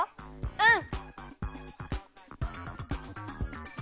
うん！